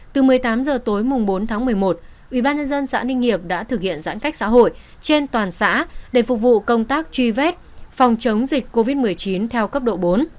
từ một mươi tám h tối bốn tháng một mươi một ubnd xã ninh nghiệp đã thực hiện giãn cách xã hội trên toàn xã để phục vụ công tác truy vết phòng chống dịch covid một mươi chín theo cấp độ bốn